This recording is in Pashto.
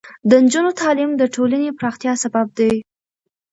د نجونو تعلیم د ټولنې پراختیا سبب دی.